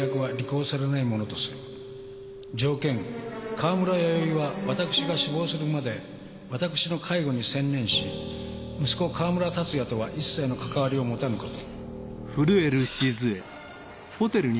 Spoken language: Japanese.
川村弥生は私が死亡するまで私の介護に専念し息子川村達也とは一切の関わりを持たぬこと」。